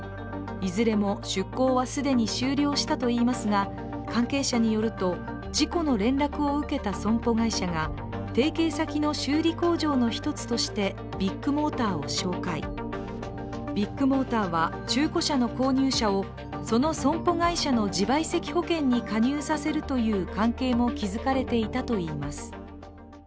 いずれも出向は既に終了したと言いますが、関係者によると、事故の連絡を受けた損保会社が提携先の修理工場の１つとしてビッグモーターを紹介ビッグモーターは、中古車の購入者をその損保会社の自賠責保険に加入させるという関係も築かれていたといいます。